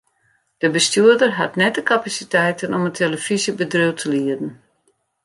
De bestjoerder hat net de kapasiteiten om in telefyzjebedriuw te lieden.